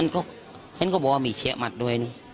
เขาก็บอกว่ามีเชือกหมัดด้วยนะ